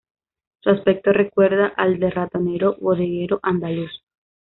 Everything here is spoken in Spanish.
Su aspecto recuerda al del Ratonero Bodeguero Andaluz.